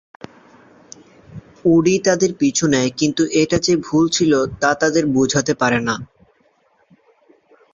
Woody তাদের পিছু নেয় কিন্তু এটা যে ভুল ছিল তা তাদের বুঝাতে পারে না।